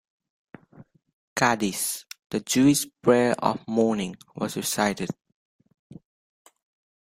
Kaddish, the Jewish prayer of mourning, was recited.